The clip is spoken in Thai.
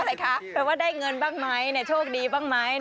แปลว่าได้เงินบ้างไหมโชคดีบ้างไหม